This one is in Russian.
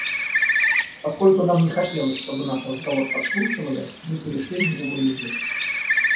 Поскольку нам не хотелось, чтобы наш разговор подслушивали, мы перешли на другой язык.